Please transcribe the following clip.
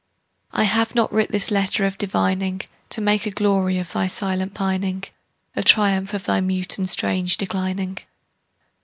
I have not writ this letter of divining To make a glory of thy silent pining, A triumph of thy mute and strange declining.